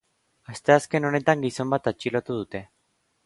Asteazken honetan gizon bat atxilotu dute.